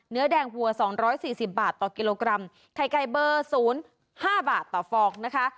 เนื้อแดงหัว๒๔๐บาทต่อกิโลกรัมไข่ไก่เบอร์๐๕บาทต่อฟองนะคะ